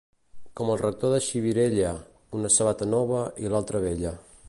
Com el rector de Xirivella, una sabata nova i l'altra vella.